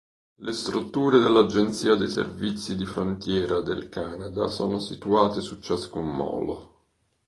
Le strutture dell'Agenzia dei servizi di frontiera del Canada sono situate su ciascun molo.